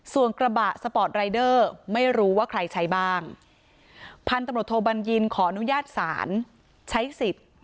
ส่วนกระบะสปอร์ตรายเดอร์ไม่รู้ว่าใครใช้บ้างพันธุ์ตำรวจโทบัญญินขออนุญาตศาลใช้สิทธิ์